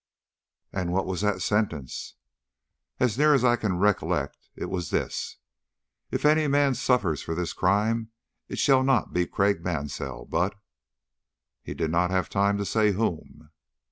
"And what was that sentence?" "As near as I can recollect, it was this: 'If any man suffers for this crime it shall not be Craik Mansell, but ' He did not have time to say whom."